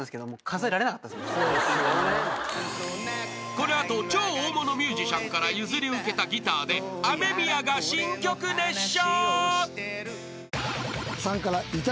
［この後超大物ミュージシャンから譲り受けたギターでＡＭＥＭＩＹＡが新曲熱唱］